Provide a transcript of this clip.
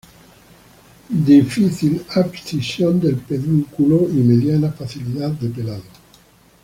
Difícil abscisión del pedúnculo y mediana facilidad de pelado.